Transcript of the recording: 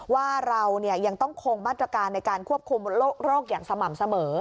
ว่าเรายังต้องคงมาตรการในการควบคุมโรคอย่างสม่ำเสมอ